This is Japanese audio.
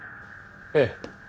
ええ。